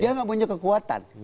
dia nggak punya kekuatan